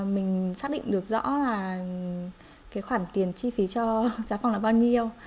mình xác định được rõ là cái khoản tiền chi phí cho giá phòng là bao nhiêu